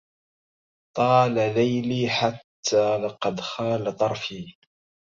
طال ليلي حتى لقد خال طرفي